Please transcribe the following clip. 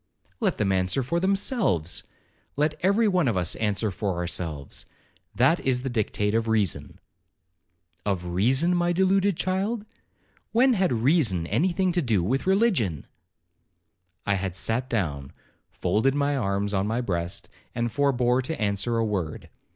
'Let them answer for themselves—let every one of us answer for ourselves—that is the dictate of reason.' 'Of reason, my deluded child,—when had reason any thing to do with religion?' I had sat down, folded my arms on my breast, and forbore to answer a word.